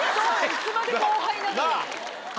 いつまで後輩なのよ。